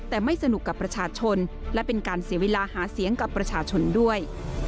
แต่ไม่สนุกกับประชาชนและเป็นการเสียเวลาหาเสียงกับประชาชนด้วย